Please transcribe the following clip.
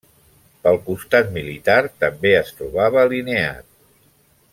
Pel costat militar, també es trobava alineat.